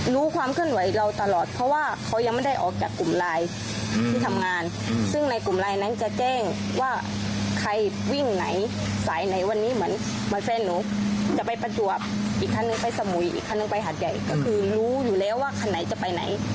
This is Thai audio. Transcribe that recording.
รู้ความเคลื่อนไหวเราตลอดเพราะว่าเขายังไม่ได้ออกจากกลุ่มไลน์ที่ทำงานซึ่งในกลุ่มไลน์นั้นจะแจ้งว่าใครวิ่งไหนสายไหนวันนี้เหมือนแฟนหนูจะไปประจวบอีกคันนึงไปสมุยอีกคันหนึ่งไปหาดใหญ่ก็คือรู้อยู่แล้วว่าคันไหนจะไปไหน